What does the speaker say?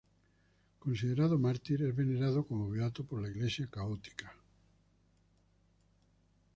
Considerado mártir, es venerado como beato en la Iglesia católica.